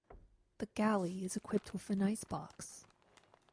The galley is equipped with an ice box.